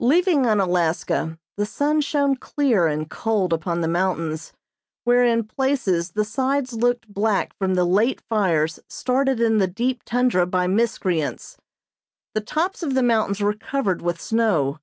Leaving Unalaska the sun shone clear and cold upon the mountains where in places the sides looked black from the late fires started in the deep tundra by miscreants. The tops of the mountains were covered with snow.